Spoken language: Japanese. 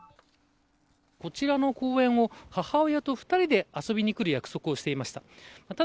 こちらの公園を母親と２人で遊びに来る約束をしていました。